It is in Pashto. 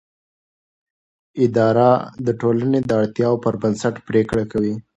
اداره د ټولنې د اړتیاوو پر بنسټ پریکړه کوي.